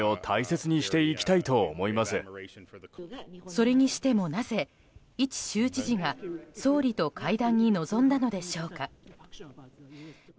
それにしてもなぜ、いち州知事が総理と会談に臨んだのでしょうか。